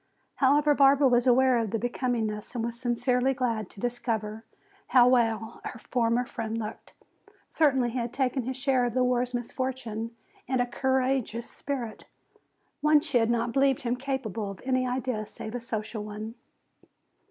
However, Barbara was aware of the becomingness and was sincerely glad to discover how well her former friend looked. Certainly he had taken his share of the war's misfortunes in a courageous spirit. Once she had not believed him capable of any ideal save a social one.